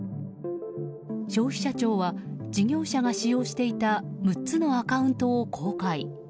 消費者庁は事業者が使用していた６つのアカウントを公開。